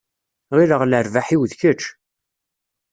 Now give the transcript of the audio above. Ɣileɣ lerbaḥ-iw d kečč.